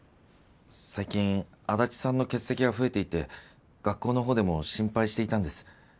最近足立さんの欠席が増えていて学校のほうでも心配していたんです。